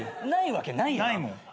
ないわけないやん。